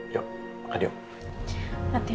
yuk makan yuk